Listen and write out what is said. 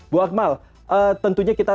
bu akmal tentunya kita